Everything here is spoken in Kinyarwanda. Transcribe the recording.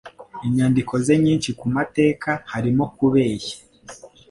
nyandiko ze nyinshi ku mateka harimo kubeshya.